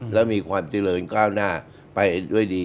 แล้วมีความเจริญก้าวหน้าไปด้วยดี